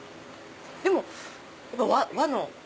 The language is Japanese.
でも和の。